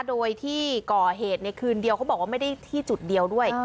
โดยที่ก่อเหตุในคืนเดียวเขาบอกว่าไม่ได้ที่จุดเดียวด้วย